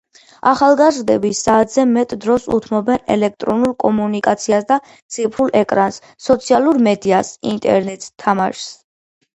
ახალგაზრდები, საათზე მეტ დროს უთმობენ ელექტრონულ კომუნიკაციას და ციფრულ ეკრანს, სოციალურ მედიას, ინტერნეტს, თამაშს.